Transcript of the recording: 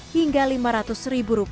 hingga lima ratus rupiah untuk produk jaket